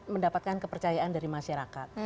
mendapatkan kepercayaan dari masyarakat